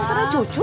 tidak ada cucu